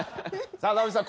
さあ尚美さん